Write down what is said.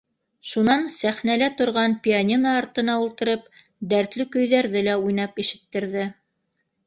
Шунан сәхнәлә торған пианино артына ултырып, дәтле көйҙәрҙе лә уйнап ишеттерҙе.